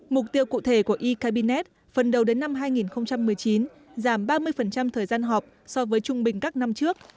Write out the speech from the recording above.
mục tiêu cụ thể của e cabinet phần đầu đến năm hai nghìn một mươi chín giảm ba mươi thời gian họp so với trung bình các năm trước